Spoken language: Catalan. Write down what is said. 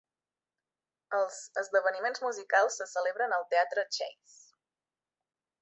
Els esdeveniments musicals se celebren al teatre Chasse.